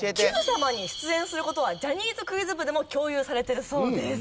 『Ｑさま！！』に出演する事はジャニーズクイズ部でも共有されてるそうです。